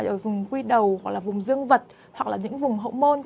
ở vùng quy đầu hoặc là vùng dương vật hoặc là những vùng hậu môn